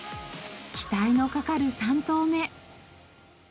期待のかかる３投目。